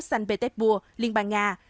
sanh petepur liên bang nga